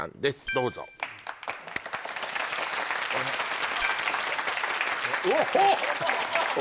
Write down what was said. どうぞおほっ！